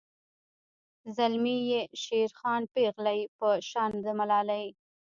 زلمي یی شیرخان پیغلۍ په شان د ملالۍ